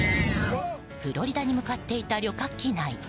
フロリダに向かっていた旅客機内。